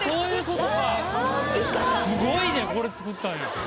すごいねこれ作ったんや。